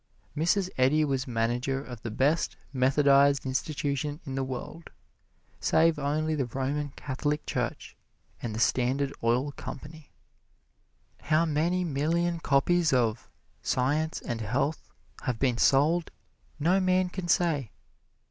Mrs. Eddy was manager of the best methodized institution in the world, save only the Roman Catholic Church and the Standard Oil Company. How many million copies of "Science and Health" have been sold, no man can say.